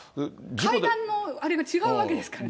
階段のあれが違うわけですからね。